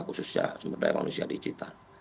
khususnya sumber daya manusia digital